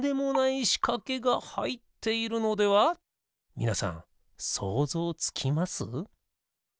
みなさんそうぞうつきます？